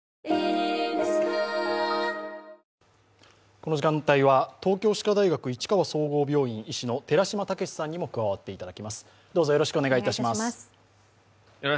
この時間帯は東京歯科大学市川総合病院医師の寺嶋毅さんにも加わっていただきます。